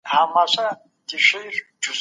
ښاري ژوند تر کليوالي ژوند ګران دی.